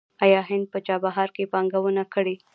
آیا هند په چابهار کې پانګونه کړې؟